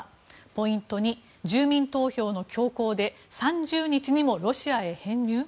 ポイント２、住民投票の強行で３０日にもロシアへ編入？